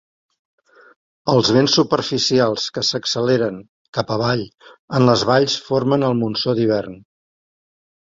Els vents superficials que s'acceleren cap avall en les valls formen el monsó d'hivern.